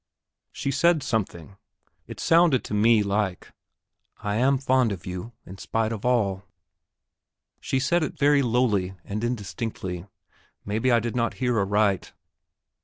She said something; it sounded to me like, "I am fond of you, in spite of all." She said it very lowly and indistinctly; maybe I did not hear aright.